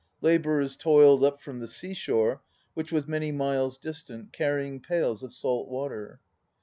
Labourers toiled up from the sea shore, which was many miles distant, carrying pails of salt water.